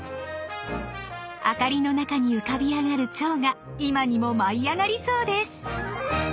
明かりの中に浮かび上がる蝶が今にも舞い上がりそうです。